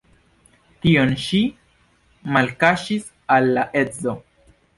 Tion ŝi malkaŝis al la edzo.